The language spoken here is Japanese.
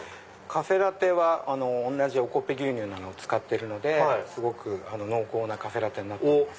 カフェラテは同じおこっぺ牛乳を使ってるのですごく濃厚なカフェラテになっています。